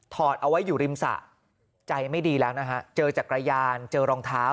เอาไว้อยู่ริมสระใจไม่ดีแล้วนะฮะเจอจักรยานเจอรองเท้า